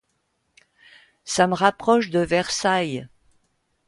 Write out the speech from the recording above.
Ça me rapproche de Versailles.